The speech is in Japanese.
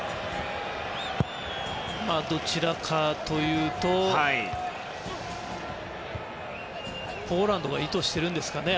どちらかというとポーランドが意図しているんですかね。